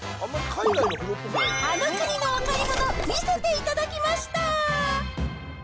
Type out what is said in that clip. あの国のお買い物、見せていただきました！